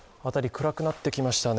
暗くなってきましたね。